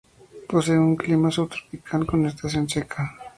Posee un clima subtropical con estación seca.